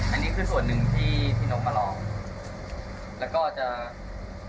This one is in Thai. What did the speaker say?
อันนี้คือส่วนนึงพี่หนุ่มมาลอง